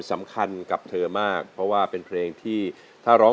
จะอยู่อยู่ทานเป็นหลานยาโม